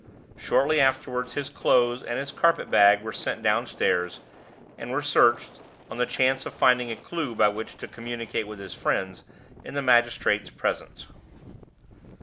Shortly afterward his clothes and his carpet bag were sent downstairs, and were searched, on the chance of finding a clew by which to communicate with his friends, in the magistrate's presence.